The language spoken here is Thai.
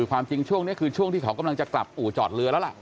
ความจริงช่วงนี้คือช่วงที่เขากำลังจะกลับอู่จอดเรือแล้วล่ะ